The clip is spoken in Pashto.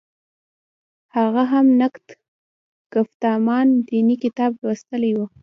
هغه هم نقد ګفتمان دیني کتاب لوستلی و.